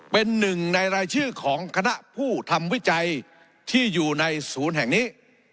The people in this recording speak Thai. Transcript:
เป็นหนึ่งในรายชื่อของคณะผู้ทำวิจัยที่อยู่ในศูนย์แห่งนี้